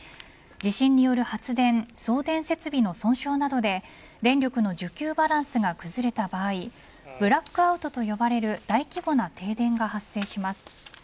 地震による発電送電設備の損傷などで電力の需給バランスが崩れた場合ブラックアウトと呼ばれる大規模な停電が発生します。